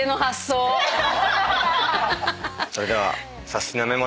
それでは。